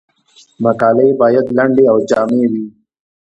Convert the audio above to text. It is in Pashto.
مقالې باید لنډې او جامع وي.